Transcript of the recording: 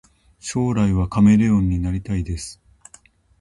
将来はカメレオンになりたいです